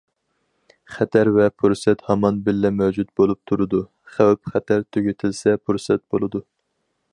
خەتەر ۋە پۇرسەت ھامان بىللە مەۋجۇت بولۇپ تۇرىدۇ، خەۋپ- خەتەر تۈگىتىلسە پۇرسەت بولىدۇ.